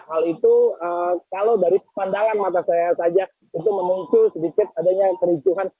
hal itu kalau dari pandangan mata saya saja itu memuncul sedikit adanya kericuhan